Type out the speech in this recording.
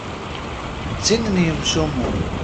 D tin n yemcumen.